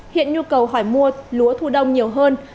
hiện nhu cầu hỏi mua lúa thu đông nhiều hơn